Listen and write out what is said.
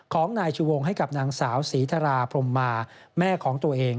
ของนายชูวงให้กับนางสาวศรีธราพรมมาแม่ของตัวเอง